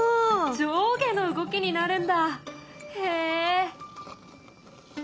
上下の動きになるんだへえ。